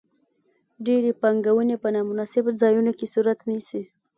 ډېرې پانګونې په نا مناسبو ځایونو کې صورت نیسي.